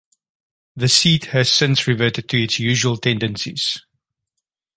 The seat has since reverted to its usual tendencies.